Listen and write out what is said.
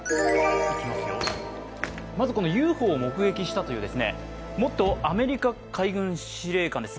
まずＵＦＯを目撃したというアメリカ海軍司令官です。